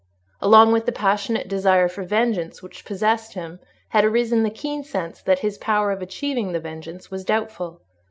Along with the passionate desire for vengeance which possessed him had arisen the keen sense that his power of achieving the vengeance was doubtful.